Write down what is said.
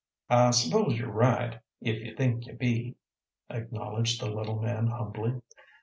"I s'pose you're right, if you think you be," acknowledged the little man humbly.